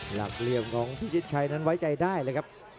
หลักเหลี่ยมของพิชิตชัยนั้นไว้ใจได้เลยครับ